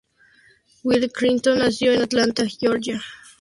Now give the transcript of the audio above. Will Wright nació en Atlanta, Georgia.